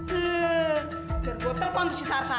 dan gue telepon ke si tarzan